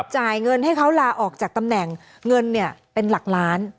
จ่ายเงินให้เขาลาออกจากตำแหน่งเงินเป็นหลักล้าน